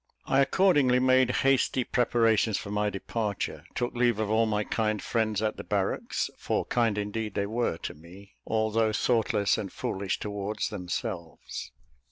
I accordingly made hasty preparations for my departure; took leave of all my kind friends at the barracks, for kind indeed they were to me, although thoughtless and foolish towards themselves.